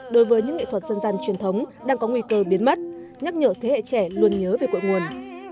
đối với những nghệ thuật dân gian truyền thống đang có nguy cơ biến mất nhắc nhở thế hệ trẻ luôn nhớ về cội nguồn